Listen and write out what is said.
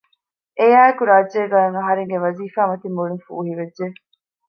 އެއާއެކު ރާއްޖޭގައި އޮތް އަހަރެންގެ ވަޒީފާ މަތިން މުޅީން ފޫހިވެއްޖެ